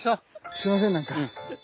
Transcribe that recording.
すみませんなんか。